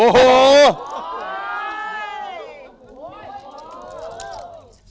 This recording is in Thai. โอ้โห